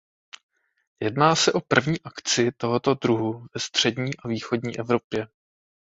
Jedná se o první akci tohoto druhu ve střední a východní Evropě.